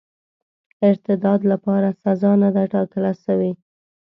ارتداد لپاره سزا نه ده ټاکله سوې.